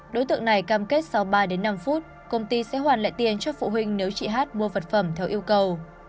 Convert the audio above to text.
đối tượng này cam kết sau ba đến năm phút công ty sẽ hoàn lại tiền cho phụ huynh nếu chị hát mua vật phẩm theo yêu cầu